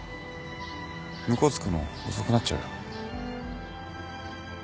向こう着くの遅くなっちゃうよ。